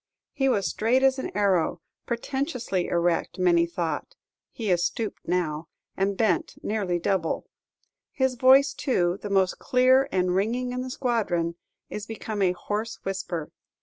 He was straight as an arrow pretentiously erect, many thought; he is stooped now, and bent nearly double. His voice, too, the most clear and ringing in the squadron, is become a hoarse whisper.